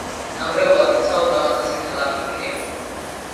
ნანგრევებად იქცა ულამაზესი ქალაქი გრემი.